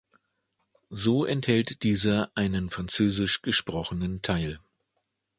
So enthält dieser einen in Französisch gesprochenen Teil.